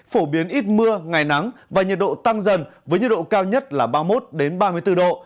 phổ biến ít mưa ngày nắng và nhiệt độ tăng dần với nhiệt độ cao nhất là ba mươi một ba mươi bốn độ